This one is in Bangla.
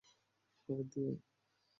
খাবার দিয়ে আই।